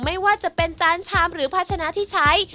ไม่ว่าจะเป็นจานชามหรือภาชนะที่ใช้